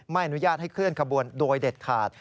อนุญาตให้เคลื่อนขบวนโดยเด็ดขาด